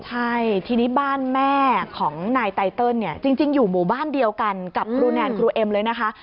ใช่ทีนี้บ้านแม่ของนายไตเติลเนี่ยจริงอยู่หมู่บ้านเดียวกันกับครูแนนครูเอ็มเลยนะคะ